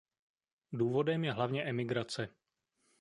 Důvodem je hlavně emigrace.